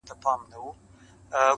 سپیني سپیني مرغلري٫